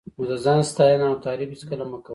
نو د ځان ستاینه او تعریف هېڅکله مه کوه.